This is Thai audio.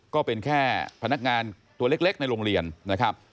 ก็เป็นแค่พนักงานตัวเล็กในโรงเรียนนะครับ